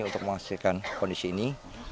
untuk menghasilkan kondisi ini